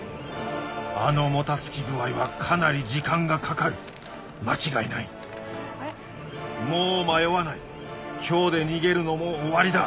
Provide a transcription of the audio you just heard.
あのもたつき具合はかなり時間がかかる間違いないもう迷わない今日で逃げるのも終わりだ